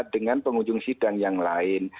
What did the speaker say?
dengan pengunjung sidang yang lain